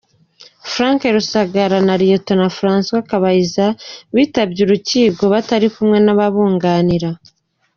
Frank Rusagara na Rtd François Kabayiza bitabye urukiko batari kumwe n’ababunganira.